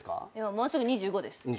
もうすぐ２５です。